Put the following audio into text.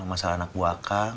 masalah anak buah akang